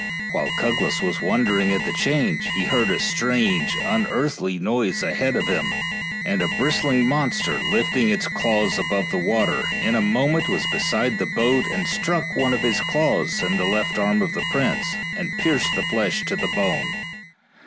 While Cuglas was wondering at the change, he heard a strange, unearthly noise ahead of him, and a bristling monster, lifting its claws above the water, in a moment was beside the boat and stuck one of his claws in the left arm of the prince, and pierced the flesh to the bone.